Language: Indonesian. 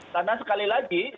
karena sekali lagi